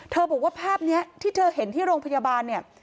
เธอบอกว่าภาพนี้ที่เธอเห็นที่โรงพยาบาล